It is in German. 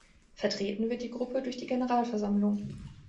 Vertreten wird die Gruppe durch die Generalversammlung.